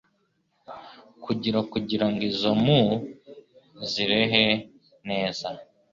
kugira kugirango izo mpu zirehe neza.